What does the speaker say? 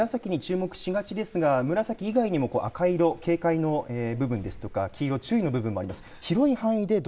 この紫に注目しがちですが紫以外にも赤色警戒の部分ですとか黄色注意の部分もありますよね。